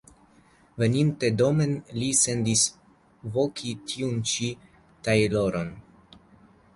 Veninte domen li sendis voki tiun ĉi tajloron.